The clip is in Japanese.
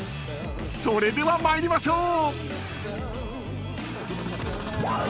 ［それでは参りましょう！］